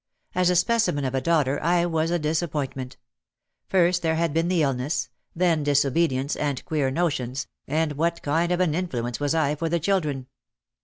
As a specimen of a daughter I was a disappointment. First there had been the illness, then disobedience and queer notions, and what kind of an influence was I for the children?